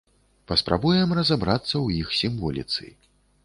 Паспрабуем разабрацца ў іх сімволіцы.